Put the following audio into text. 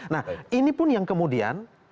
nah ini pun yang kemudian